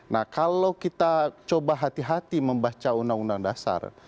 nah kalau kita coba hati hati membaca undang undang dasar